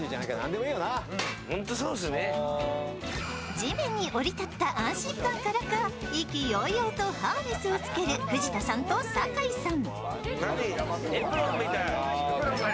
地面に降り立った安心感からか、意気揚々とハーネスをつける藤田さんと酒井さん。